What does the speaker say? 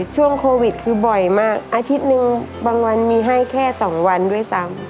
ช่วงโควิดคือบ่อยมากอาทิตย์หนึ่งบางวันมีให้แค่๒วันด้วยซ้ำ